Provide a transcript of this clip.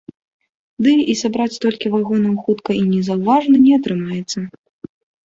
Ды, і сабраць столькі вагонаў хутка і незаўважна не атрымаецца.